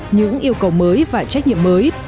những yêu cầu mới và trách nhiệm mới